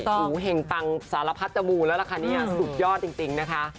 ยักษ์ด้วยแห่งปังสารพัฒน์ตะบูร์แล้วล่ะค่ะสุดยอดจริงนะคะ